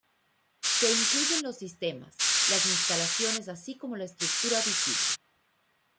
Se incluyen los sistemas, las instalaciones así como la estructura visible.